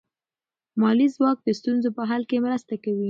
مالي ځواک د ستونزو په حل کې مرسته کوي.